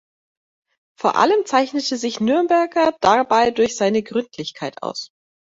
Vor allem zeichnete sich Nürnberger dabei durch seine Gründlichkeit aus.